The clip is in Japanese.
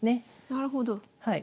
なるほど。